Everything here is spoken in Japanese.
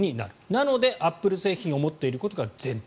なので、アップル製品を持っていることが前提。